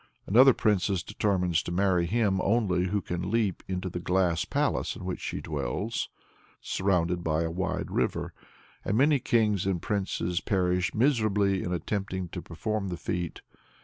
Another princess determines to marry him only who can leap into the glass palace in which she dwells, surrounded by a wide river; and many kings and princes perish miserably in attempting to perform the feat.